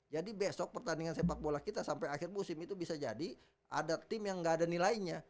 jadi besok pertandingan sepak bola kita sampai akhir musim itu bisa jadi ada tim yang enggak ada nilainya